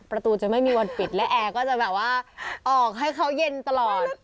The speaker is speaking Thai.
ประตูจะไม่มีวันปิดและแอร์ก็จะแบบว่าออกให้เขาเย็นตลอด